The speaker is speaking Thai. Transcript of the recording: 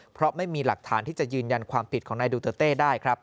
เพราะไม่มีหลักฐานที่จะยืนยันความผิดของนายดูเตอร์เต้ได้ครับ